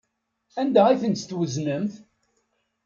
Anda ay tent-tweznemt?